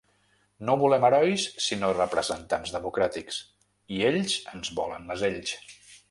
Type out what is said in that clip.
No volem herois sinó representants democràtics, i ells ens volen mesells.